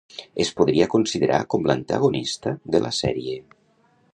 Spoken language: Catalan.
Es podria considerar com l'antagonista de la sèrie.